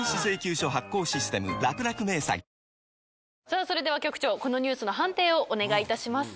さぁそれでは局長このニュースの判定をお願いいたします。